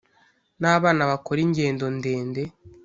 n’abana bakora ingendo ndende